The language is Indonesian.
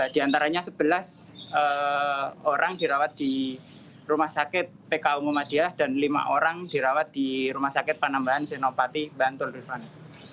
di antaranya sebelas orang dirawat di rumah sakit pku muhammadiyah dan lima orang dirawat di rumah sakit panambahan senopati bantul rifani